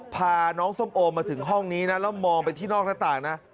พาน้องส้มโอมาถึงห้องนี้นะแล้วมองไปที่นอกหน้าต่างนะ